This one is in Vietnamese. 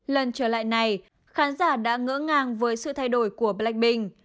lần trở lại này khán giả đã ngỡ ngàng với sự thay đổi của blackpink